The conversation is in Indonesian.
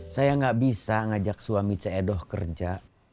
saya nggak bisa ngajak suami ceedoh kerja